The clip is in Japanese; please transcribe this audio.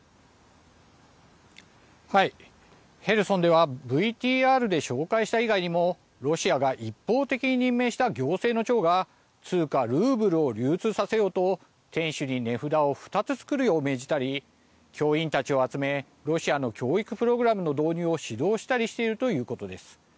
ヘルソンではＶＴＲで紹介した以外にもロシアが一方的に任命した行政の長が通貨ルーブルを流通させようと店主に値札を２つ作るよう命じたり教員たちを集めロシアの教育プログラムの導入を指導したりしているということです。